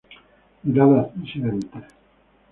Miradas disidentes.